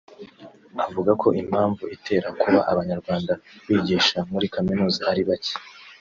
Avuga ko impamvu itera kuba abanyarwanda bigisha muri Kaminuza ari bacye